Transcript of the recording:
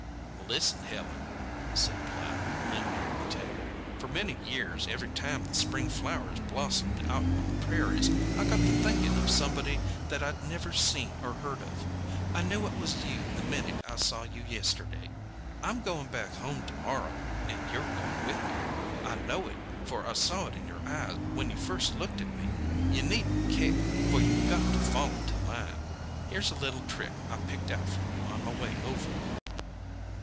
'" "Listen, Helen," said Platt, leaning over the table. "For many years every time the spring flowers blossomed out on the prairies I got to thinking of somebody that I'd never seen or heard of. I knew it was you the minute I saw you yesterday. I'm going back home to morrow, and you're going with me. I know it, for I saw it in your eyes when you first looked at me. You needn't kick, for you've got to fall into line. Here's a little trick I picked out for you on my way over."